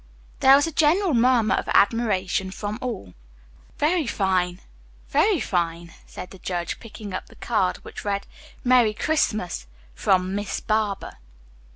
There was a general murmur of admiration from all. "Very fine, very fine," said the judge, picking up the card which read, "Merry Christmas, from Miss Barber."